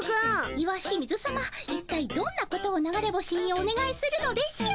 石清水さまいったいどんなことを流れ星におねがいするのでしょう。